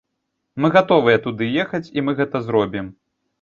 Мы гатовыя туды ехаць і мы гэта зробім.